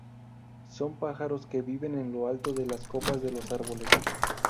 Son pájaros que viven en lo alto de las copas de los árboles.